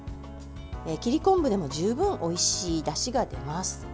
切り昆布でも十分おいしいだしが出ます。